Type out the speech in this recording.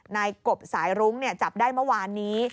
นายกบสายรุ้งจับได้เมื่อวานนี้